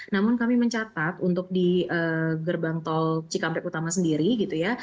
namun kami mencatat untuk di gerbang tol cikampek utama sendiri gitu ya